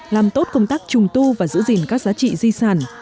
làm tốt công tác trùng tu và giữ gìn các giá trị di sản